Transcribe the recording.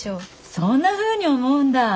そんなふうに思うんだ！